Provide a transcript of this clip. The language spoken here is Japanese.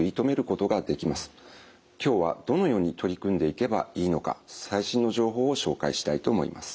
今日はどのように取り組んでいけばいいのか最新の情報を紹介したいと思います。